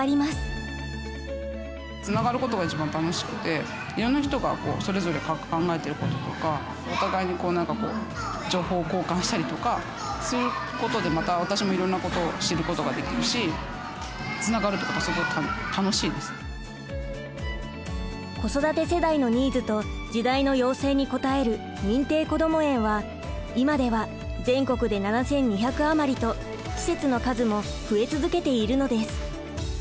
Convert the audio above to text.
つながることが一番楽しくていろんな人がそれぞれ考えてることとかお互いに何かこう情報交換したりとかそういうことでまた私もいろんなことを知ることができるし子育て世代のニーズと時代の要請に応える認定こども園は今では全国で７，２００余りと施設の数も増え続けているのです。